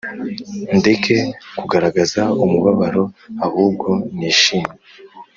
ndeke kugaragaza umubabaro ahubwo nishime’,